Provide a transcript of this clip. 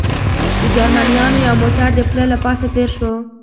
د جرمنیانو یو موټر د پله له پاسه تېر شو.